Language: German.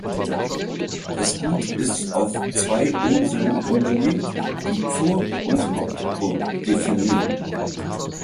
Das Gut ist auf zwei Inseln angelegt, die Vor- und Hauptburg definieren.